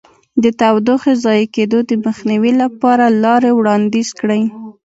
د تودوخې ضایع کېدو د مخنیوي لپاره لارې وړاندیز کړئ.